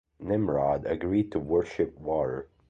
Nimrod agreed to worship water.